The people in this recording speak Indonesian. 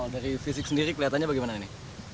dari fisik sendiri kelihatannya bagaimana ini